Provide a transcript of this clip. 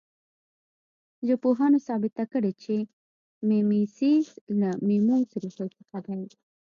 ژبپوهانو ثابته کړې چې میمیسیس له میموس ریښې څخه دی